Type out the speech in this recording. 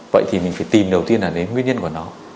vậy thì mình phải tìm đầu tiên là đến nguyên nhân của nó